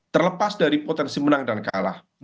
terlepas dari potensi menang dan kalah